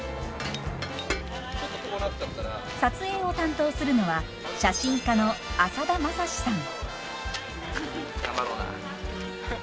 撮影を担当するのは写真家の浅田政志さん。